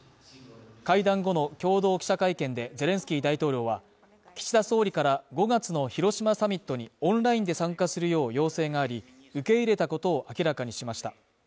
会談後の共同記者会見でゼレンスキー大統領は岸田総理から５月の広島サミットにオンラインで参加するよう要請があり、受け入れたことを明らかにしました。